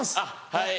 はい。